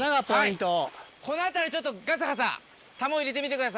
この辺りちょっとガサガサタモを入れてみてください。